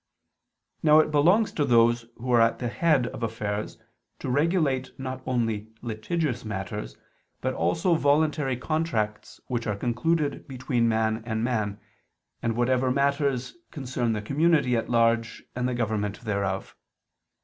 Now it belongs to those who are at the head of affairs to regulate not only litigious matters, but also voluntary contracts which are concluded between man and man, and whatever matters concern the community at large and the government thereof.